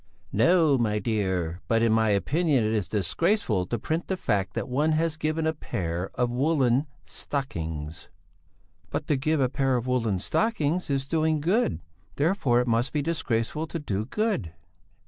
"No, my dear; but in my opinion it is disgraceful to print the fact that one has given a pair of woollen stockings...." "But to give a pair of woollen stockings is doing good; therefore it must be disgraceful to do good...."